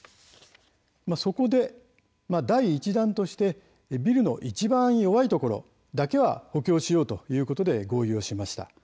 そこで第１弾としてビルのいちばん弱いところだけは補強しようということで合意しました。